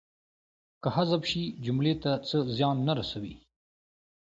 که حذف شي جملې ته څه زیان نه رسوي.